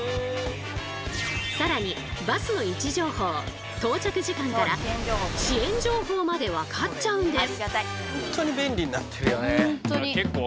更にバスの位置情報到着時間から遅延情報まで分かっちゃうんです。